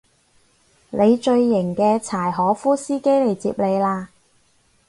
你最型嘅柴可夫司機嚟接你喇